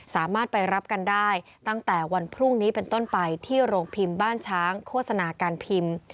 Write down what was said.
สามารถไปรับกันได้ตั้งแต่วันพรุ่งนี้เป็นต้นไปที่โรงพิมพ์บ้านช้างโฆษณาการพิมพ์